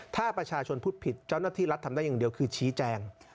ถ้าประชาชนพูดผิดเจ้าหน้าที่รัฐทำได้อย่างเดียวคือชี้แจง